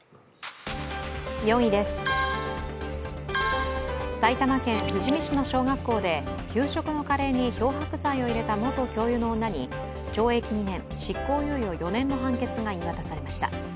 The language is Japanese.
４位です、埼玉県富士見市の小学校で給食のカレーに漂白剤を入れた元教諭の女に懲役２年、執行猶予４年の判決が言い渡されました。